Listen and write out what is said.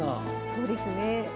そうですね。